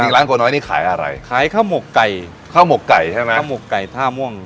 ร้านโกน้อยนี่ขายอะไรขายข้าวหมกไก่ข้าวหมกไก่ใช่ไหมข้าวหมกไก่ท่าม่วง